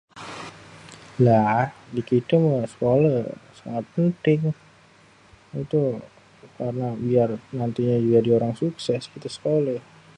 lah dikité méh sekoléh sangat penting itu karna biar nantinyé jadi orang sukses kalo sekoléh